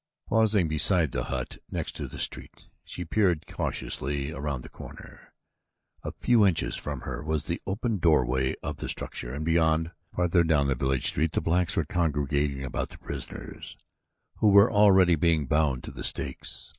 Pausing beside the hut next to the street, she peered cautiously about the corner. A few inches from her was the open doorway of the structure, and beyond, farther down the village street, the blacks were congregating about the prisoners, who were already being bound to the stakes.